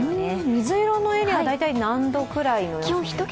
水色のエリア、大体何度くらいの予報ですか？